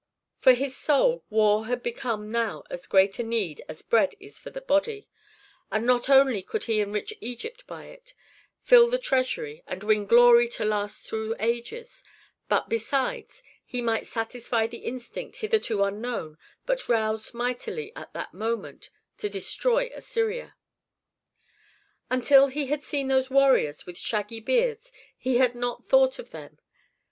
For his soul war had become now as great a need as bread is for the body. For not only could he enrich Egypt by it, fill the treasury, and win glory to last through ages, but, besides, he might satisfy the instinct hitherto unknown, but roused mightily at that moment, to destroy Assyria. Until he had seen those warriors with shaggy beards he had not thought of them.